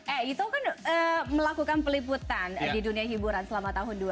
eh itu kan melakukan peliputan di dunia hiburan selama tahun dua ribu